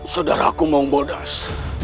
saudara aku mong bodas